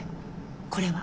これは？